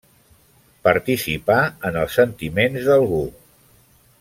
Participar en els sentiments d'algú.